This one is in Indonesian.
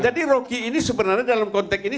jadi rocky ini sebenarnya dalam konteks ini